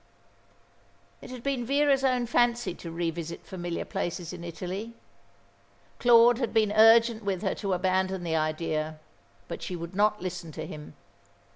It had been Vera's own fancy to revisit familiar places in Italy. Claude had been urgent with her to abandon the idea, but she would not listen to him.